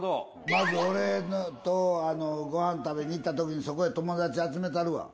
まず俺とご飯食べに行った時にそこへ友達集めたるわ。